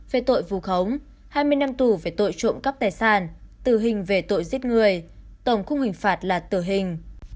về tội vù khống hai mươi năm tù về tội trộm cắp tài sản tử hình về tội giết người tổng khung hình phạt là tử hình